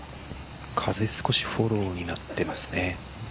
風少しフォローになっています。